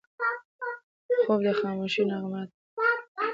خوب د خاموشۍ نغمه ده